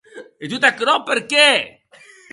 E tot aquerò per qué?